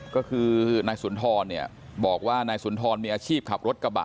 ก็คือนายสุนทรเนี่ยบอกว่านายสุนทรมีอาชีพขับรถกระบะ